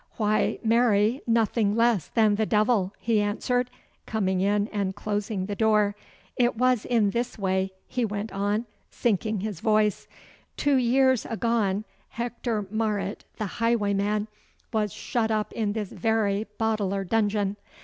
'Why, marry, nothing less than the Devil,' he answered, coming in and closing the door. 'It was in this way,' he went on, sinking his voice: 'Two years agone Hector Marot, the highwayman, was shut up in this very Boteler dungeon.